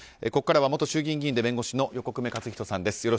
ここからは元衆議院議員で弁護士の横粂勝仁さんです。